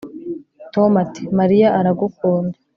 Tom ati Mariya aragukunda